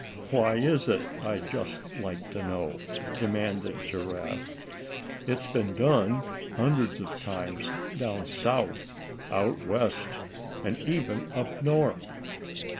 "Why is it, I'd just like to know?" demanded Giraffe. "It's been done hundreds of times, down South, out West, and even up North."